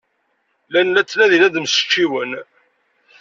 Llan la ttnadin ad mmecčiwen.